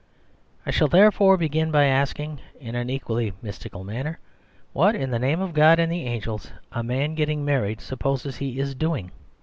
I shall therefore begin by asking, in an equally mystical man ner, what in the name of God and the angels a man getting married supposes he is doing.